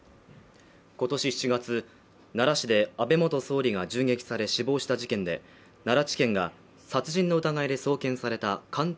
今年７月奈良市で安倍元総理が銃撃され死亡した事件で奈良地検が殺人の疑いで送検された鑑定